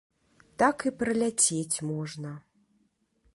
Так і праляцець можна.